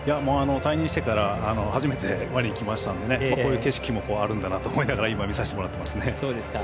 退任してから初めてマリンに来たのでこういう景色があるんだなと思いながら見させてもらっています。